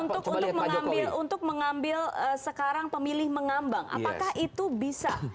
tapi untuk mengambil sekarang pemilih mengambang apakah itu bisa